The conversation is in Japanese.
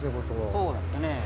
そうなんですよね。